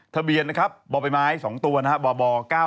ทะเบียนนะครับบ่อใบไม้๒ตัวนะครับบบ๙๙